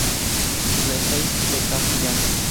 Les Salles-de-Castillon